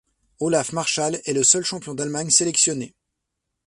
Olaf Marschall est le seul champion d'Allemagne sélectionné.